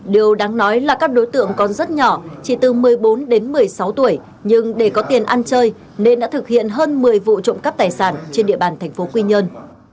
điều đáng nói là các đối tượng còn rất nhỏ chỉ từ một mươi bốn đến một mươi sáu tuổi nhưng để có tiền ăn chơi nên đã thực hiện hơn một mươi vụ trộm cắp tài sản trên địa bàn thành phố quy nhơn